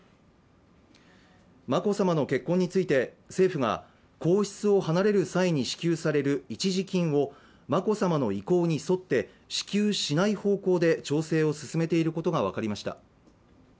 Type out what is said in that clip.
眞子さまの結婚について、政府が皇室を離れる際に支給される一時金を眞子さまの意向に沿って支給しない方向で調整を進めていることが分かりました。